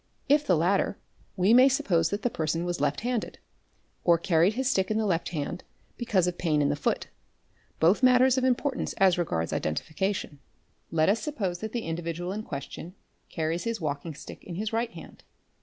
If the latter, we may suppose that the person was left handed or carried his stick in the left hand because of pain in the foot, both matters of impor _ tance as regards identification. Let us suppose that the individual in question carries his walking stick in his right hand.